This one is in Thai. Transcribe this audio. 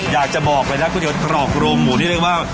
อยากจะบอกเลยนะคุณยศรอกรมหมูนี้เรียกว่า